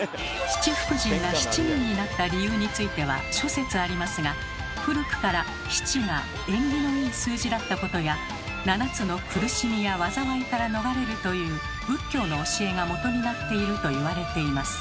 七福神が７人になった理由については諸説ありますが古くから「７」が縁起のいい数字だったことや七つの苦しみや災いから逃れるという仏教の教えが基になっているといわれています。